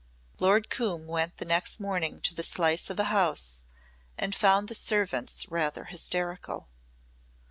Lord Coombe went the next morning to the slice of a house and found the servants rather hysterical.